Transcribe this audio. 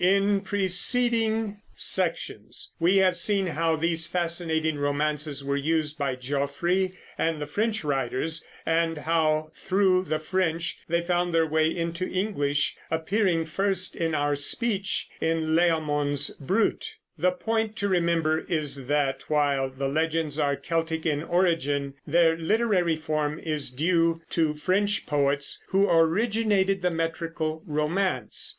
In preceding sections we have seen how these fascinating romances were used by Geoffrey and the French writers, and how, through the French, they found their way into English, appearing first in our speech in Layamon's Brut. The point to remember is that, while the legends are Celtic in origin, their literary form is due to French poets, who originated the metrical romance.